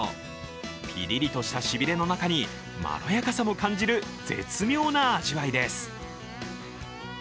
ピリリとしたしびれの中にまろやかさも感じる絶妙な味わいです。